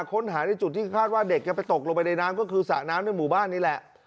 ค้นหาในจุดที่คาดว่าเด็กจะไปตกลงไปในน้ำก็คือสระน้ำในหมู่บ้านนี่แหละ